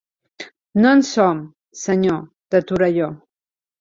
No en som, senyor, de Torelló.